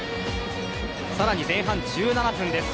さらに前半１７分です。